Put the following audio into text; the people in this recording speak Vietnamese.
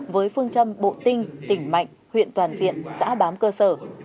với phương châm bộ tinh tỉnh mạnh huyện toàn diện xã bám cơ sở